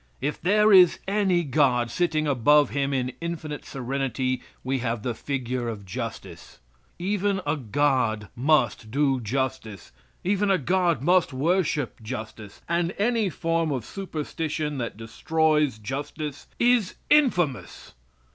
If there is any God, sitting above him in infinite serenity we have the figure of justice. Even a God must do justice; even a God must worship justice; and any form of superstition that destroys justice is infamous!